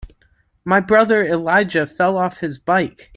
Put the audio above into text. My brother Elijah fell off his bike.